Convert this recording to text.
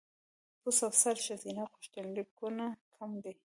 پوځ افسرۍ ښځینه غوښتنلیکونه کم دي.